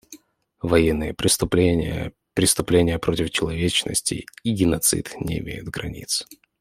Военные преступления, преступления против человечности и геноцид не имеют границ.